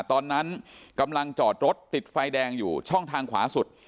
ตอนนั้นกำลังจอดรถติดไฟแดงอยู่ช่องทางขวาสุด